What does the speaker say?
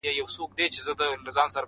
ساقي واخله ټول جامونه پرې خړوب که.